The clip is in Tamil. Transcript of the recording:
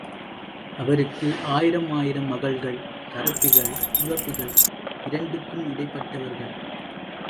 அவருக்கு ஆயிரமாயிரம் மகள்கள்... கறுப்பிகள், சிவப்பிகள், இரண்டுக்கும் இடைப்பட்டவர்கள்...